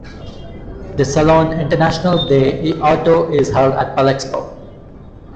The Salon International de l'Auto is held at Palexpo.